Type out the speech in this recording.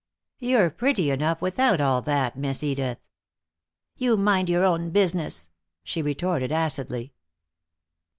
"You're pretty enough without all that, Miss Edith." "You mind your own business," she retorted acidly.